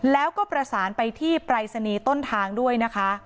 แล้วก็ประสานไปที่ปรายศนีย์ต้นทางด้วยนะคะ